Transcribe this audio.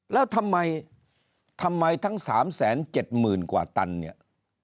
แล้วทำไมทำไมทั้ง๓๗๐๐๐กว่าตันเนี่ย